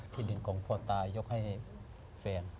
ที่ดินของพ่อตายยกให้แฟน